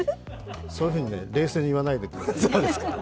そういうふうに冷静に言わないでください。